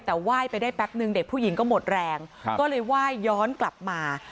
แต่ว่ายไปได้แป๊บนึงเด็กผู้หญิงก็หมดแรงก็เลยไหว้ย้อนกลับมา